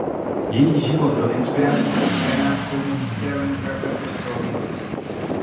Její život byl inspirací pro scénář filmu "The Karen Carpenter Story".